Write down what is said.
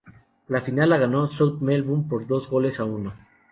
La final la ganó el South Melbourne, por dos goles a uno.